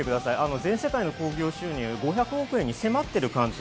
全世界の興行収入５００億円に迫っています。